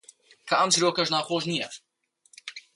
کە ئەم چیرۆکەش ناخۆش نییە: